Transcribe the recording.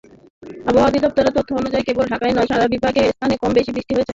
আবহাওয়া অধিদপ্তরের তথ্য অনুযায়ী, কেবল ঢাকায় নয়, দেশের বিভিন্ন স্থানে কম-বেশি বৃষ্টি হয়েছে।